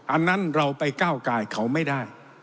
อันนั้นเราไปก้าวกายเขาไม่ได้